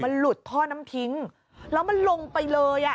มันหลุดท่อน้ำทิ้งแล้วมันลงไปเลยอ่ะ